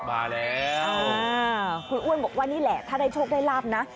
มาแล้วคุณอ้วนบอกว่านี่แหละถ้าได้โชคได้ลาบนะ